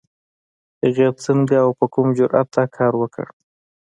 هغې څنګه او په کوم جرئت دا کار وکړ؟